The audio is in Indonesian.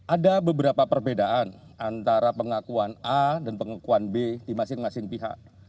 ada beberapa perbedaan antara pengakuan a dan pengakuan b di masing masing pihak